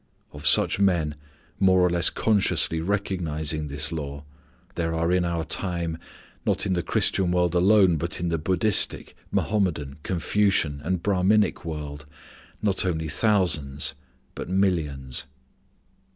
Of such men more or less consciously recognizing this law, there are in our time, not in the Christian world alone, but in the Buddhistic, Mahomedan, Confucian, and Brahminic world, not only thousands but millions.